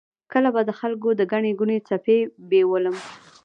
کله به د خلکو د ګڼې ګوڼې څپې بیولم.